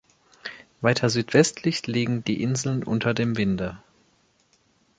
Weiter südwestlich liegen die Inseln unter dem Winde.